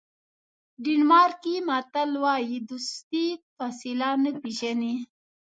ډنمارکي متل وایي دوستي فاصله نه پیژني.